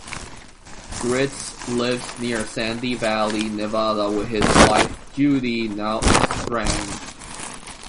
Gritz lives near Sandy Valley, Nevada, with his wife Judy, now estranged.